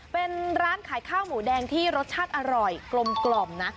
เป็นร้านขายข้าวหมูแดงที่รสชาติอร่อยกลมนะ